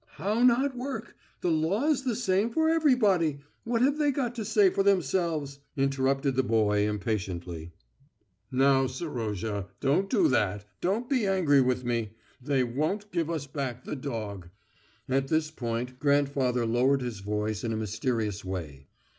"How not work? The law is the same for everybody. What have they got to say for themselves?" interrupted the boy impatiently. "Now, Serozha, don't do that ... don't be angry with me. They won't give us back the dog." At this point grandfather lowered his voice in a mysterious way.